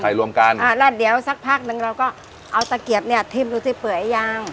แล้วเดี๋ยวสักพักนึงเราก็เอาตะเกียบทิ้มดูที่เปื่อยาง